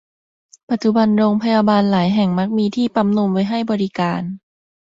ปัจจุบันโรงพยาบาลหลายแห่งมักมีที่ปั๊มนมไว้ให้บริการ